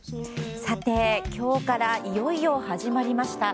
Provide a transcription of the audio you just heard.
さて、今日からいよいよ始まりました。